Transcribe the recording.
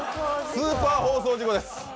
スーパー放送事故です。